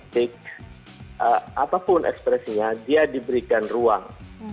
baik apapun ekspresinya dia diberikan ruang